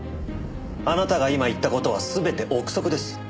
あなたが今言った事は全て憶測です。